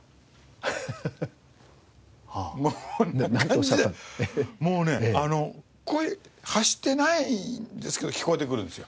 こんな感じでもうね声発してないんですけど聞こえてくるんですよ。